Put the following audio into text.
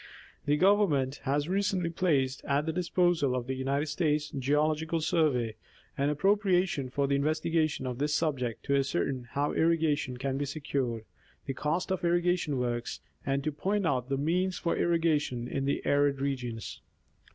The government has recently placed at the disposal of the United States Geological Survey an appropriation for the inves tigation of this subject, to ascertain how irrigation can be secured, the cost of irrigation works, and point out the means for irriga tion, in the arid regions.